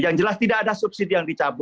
yang jelas tidak ada subsidi yang dicabut